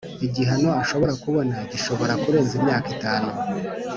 Igihano ashobora kubona gishobora kurenza imyaka itanu